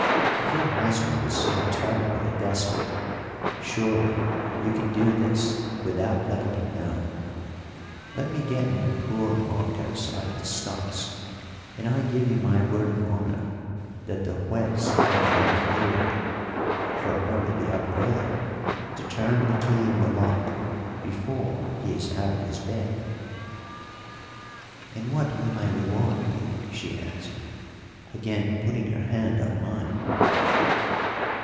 If your husband is so terrible a despot, surely you can do this without letting him know! Let me get my poor Marcos out of the stocks and I give you my word of honour that the Juez will never hear of it, for I will be up early to turn the key in the lock before he is out of his bed." "And what will my reward be?" she asked, again putting her hand on mine.